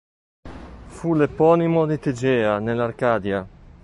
Fu l'eponimo di Tegea, nell'Arcadia.